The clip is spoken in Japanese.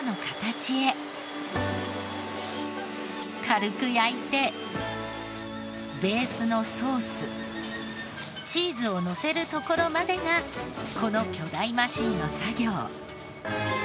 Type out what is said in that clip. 軽く焼いてベースのソースチーズをのせるところまでがこの巨大マシーンの作業。